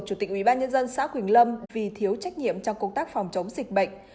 chủ tịch ubnd xã quỳnh lâm vì thiếu trách nhiệm trong công tác phòng chống dịch bệnh